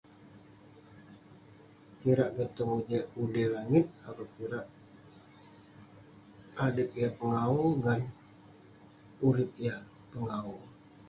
Kirak kek tong udey- udey langit, akouk kirak adet yah pengawu ngan urip yah pengawu.